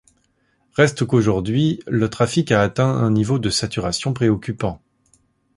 Reste qu'aujourd'hui le trafic a atteint un niveau de saturation préoccupant.